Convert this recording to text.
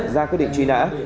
ra quy định truy nã